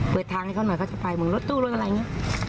เปิดทางให้เขาหน่อยเขาจะไปมึงรถตู้รถอะไรอย่างนี้